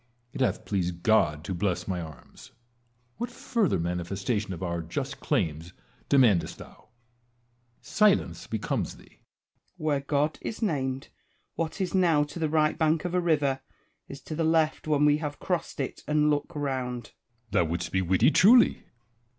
It hath pleased God to bless my arms ; what further manifestation of our just claims demandest thou'2 Silence becomes thee. Wallace. Where God is named. What is now to the right bank of a river, is to the left when we have crossed it and look round. Edward. Thou wouldst be witty truly